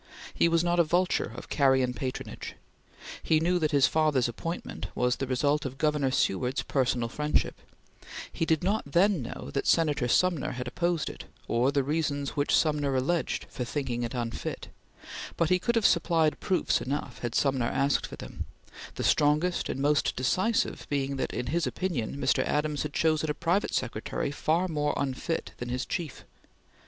He was not a vulture of carrion patronage. He knew that his father's appointment was the result of Governor Seward's personal friendship; he did not then know that Senator Sumner had opposed it, or the reasons which Sumner alleged for thinking it unfit; but he could have supplied proofs enough had Sumner asked for them, the strongest and most decisive being that, in his opinion, Mr. Adams had chosen a private secretary far more unfit than his chief.